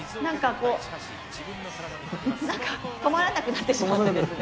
こう止まらなくなってしまってですね。